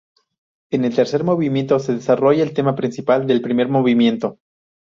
En el tercer movimiento se desarrolla el tema principal del primer movimiento.